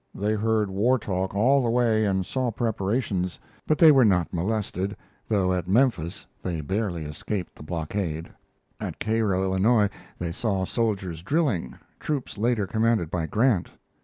They heard war talk all the way and saw preparations, but they were not molested, though at Memphis they basely escaped the blockade. At Cairo, Illinois, they saw soldiers drilling troops later commanded by Grant.